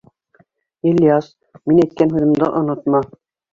— Ильяс, мин әйткән һүҙемде онотма!